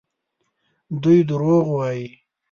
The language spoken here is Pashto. دوی دروغ وايي.